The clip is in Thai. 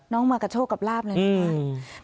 น้องมากระโชกกับลาฟเลยค่ะ